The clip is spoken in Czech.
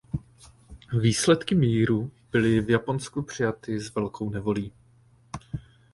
Výsledky míru byly v Japonsku přijaty s velkou nevolí.